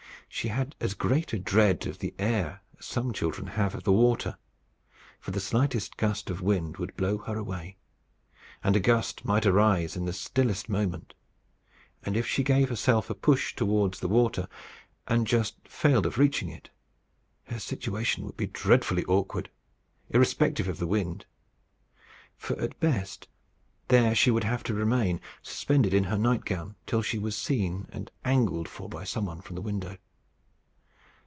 She had as great a dread of the air as some children have of the water. For the slightest gust of wind would blow her away; and a gust might arise in the stillest moment. And if she gave herself a push towards the water and just failed of reaching it, her situation would be dreadfully awkward, irrespective of the wind; for at best there she would have to remain, suspended in her night gown, till she was seen and angled for by someone from the window.